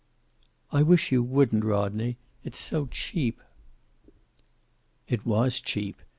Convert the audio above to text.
"I wish you wouldn't, Rodney. It's so cheap." It was cheap.